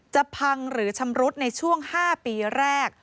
จะพังหรือชำรุดในช่วง๕ปีแรก